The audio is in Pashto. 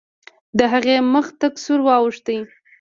د هغې مخ تک سور واوښت.